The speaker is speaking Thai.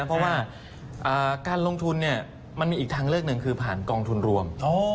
เพราะว่าการลงทุนมันมีอีกทางเลือกหนึ่งคือผ่านกองทุนรวม